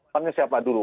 pertanyaannya siapa dulu